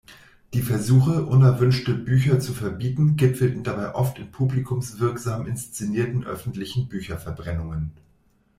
Die Versuche, unerwünschte Bücher zu verbieten, gipfelten dabei oft in publikumswirksam inszenierten öffentlichen Bücherverbrennungen.